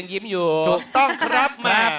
ถูกต้องครับ